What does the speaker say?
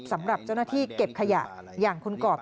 สำหรับเจ้าหน้าที่เก็บขยะอย่างคุณกรอบ